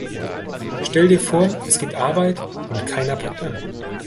Stell dir vor, es gibt Arbeit und keiner packt an.